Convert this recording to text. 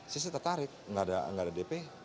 saya tetarik nggak ada dp